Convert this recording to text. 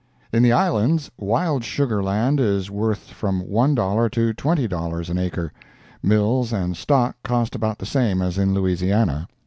In the Islands wild sugar land is worth from $l to $20 an acre, mills and stock cost about the same as in Louisiana.